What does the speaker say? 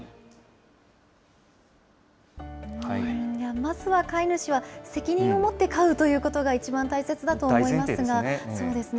まずは飼い主は、責任を持って飼うということが一番大切だと大前提ですよね。